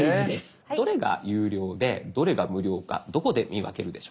どれが有料でどれが無料かどこで見分けるでしょうか？